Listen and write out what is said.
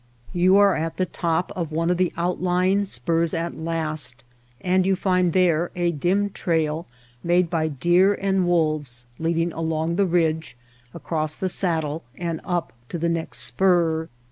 You are at the top of one of the outlying spurs at last and you find there a dim trail made by deer and wolves leading along the ridge, across the saddle, and up to the next spur.